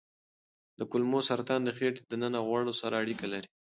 د کولمو سرطان د خېټې دننه غوړو سره اړیکه لري.